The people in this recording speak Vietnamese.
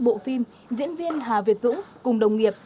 bộ phim diễn viên hà việt dũng cùng đồng nghiệp